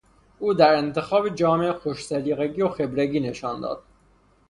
او در انتخاب جامه خوش سلیقگی و خبرگی نشان داد.